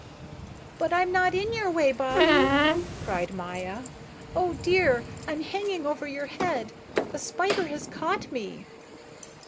"But I'm not in your way, Bobbie," cried Maya. "Oh dear, I'm hanging over your head. The spider has caught me."